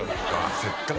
せっかく。